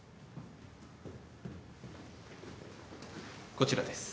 こちらです。